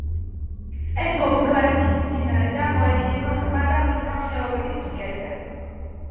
ეს ბობოქარი მთის მდინარე და მოედინება ღრმა და ვიწრო ხეობების ფსკერზე.